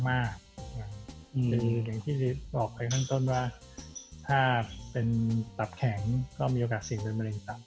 คืออย่างที่บอกไปข้างต้นว่าถ้าเป็นตับแข็งก็มีโอกาสเสี่ยงเป็นมะเร็งตับ